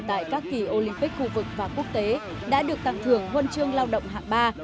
tại các kỳ olympic khu vực và quốc tế đã được tặng thưởng huân chương lao động hạng ba